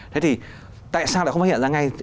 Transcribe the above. thế thì tại sao lại không phát hiện ra ngay